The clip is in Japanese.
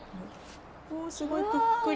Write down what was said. おすごいぷっくり。